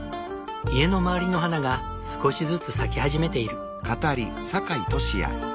家の周りの花が少しずつ咲き始めている。